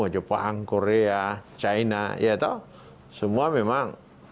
jepang korea china semua memang